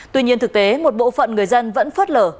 tuy nhiên thực tế một bộ phận người dân vẫn phớt lờ